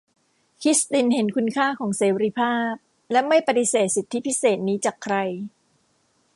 คริสตินเห็นคุณค่าของเสรีภาพ และไม่ปฎิเสธสิทธิพิเศษนี้จากใคร